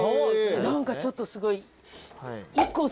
何かちょっとすごい。